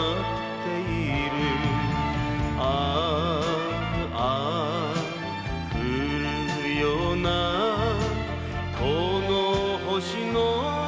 「ああ降るようなこの星の下で」